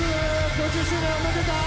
５０周年おめでとう！